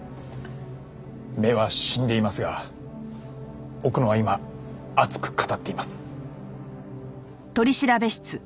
目は死んでいますが奥野は今熱く語っています。